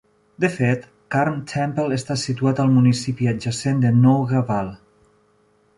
De fet, Carntemple està situat al municipi adjacent de Noughaval.